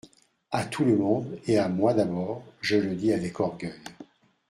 A tout le monde, et à moi, d'abord, je le dis ave c orgueil.